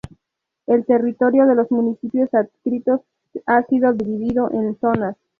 El territorio de los municipios adscritos ha sido dividido en zonas.